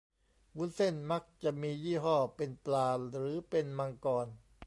วุ้นเส้นมักจะมียี่ห้อเป็นปลาหรือเป็นมังกร